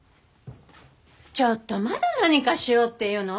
ちょっとまだ何かしようっていうの？